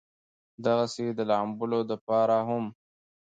دغسې د لامبلو د پاره هم